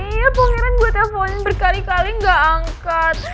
iya pangeran gue teleponin berkali kali gak angkat